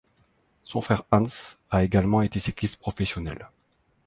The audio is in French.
Son frère Hans a également été cycliste professionnel.